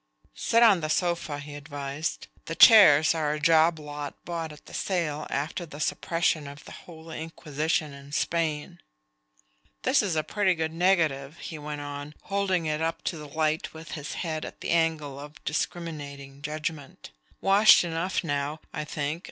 "Sit on the sofa," he advised. "The chairs are a job lot bought at the sale after the suppression of the Holy Inquisition in Spain. This is a pretty good negative," he went on, holding it up to the light with his head at the angle of discriminating judgment. "Washed enough now, I think.